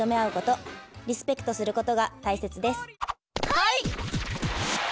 はい！